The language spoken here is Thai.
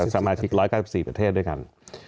สำหรับคลิก๑๙๔ประเทศด้วยกัน